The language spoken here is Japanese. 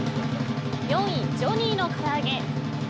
４位、ジョニーのからあげ。